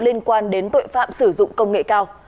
liên quan đến tội phạm sử dụng công nghệ cao